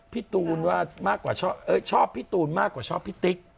พี่ตูนชอบพี่ตูนมากกว่าชอบพี่ติ๊ก